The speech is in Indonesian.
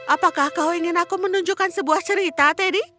apakah kau ingin aku menunjukkan sebuah cerita teddy